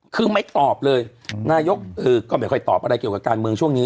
คือไม่ตอบเลยนายกก็ไม่ค่อยตอบอะไรเกี่ยวกับการเมืองช่วงนี้